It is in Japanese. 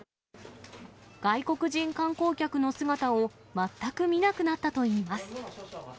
外国人観光客の姿を全く見なくなったといいます。